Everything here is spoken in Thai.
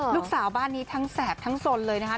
ลูกสาวบ้านนี้ทั้งแสบทั้งสนเลยนะคะ